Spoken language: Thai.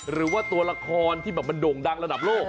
หรือว่าตัวละครที่แบบมันโด่งดังระดับโลก